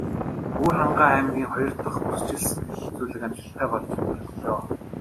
Өвөрхангай аймгийн хоёр дахь бүсчилсэн хэлэлцүүлэг амжилттай болж өндөрлөлөө.